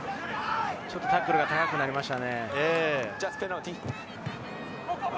ちょっとタックルが高くなりました。